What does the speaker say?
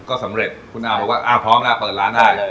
ก็สำเร็จคุณอ้าวบอกว่าพร้อมล่ะเปิดร้านได้